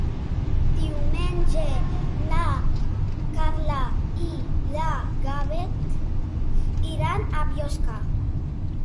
Diumenge na Carla i na Bet iran a Biosca.